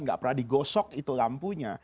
nggak pernah digosok itu lampunya